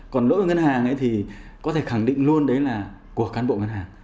còn lỗi của ngân hàng thì có thể khẳng định luôn đấy là của cán bộ ngân hàng